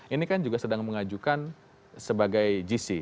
ini kan juga sedang mengajukan sebagai gc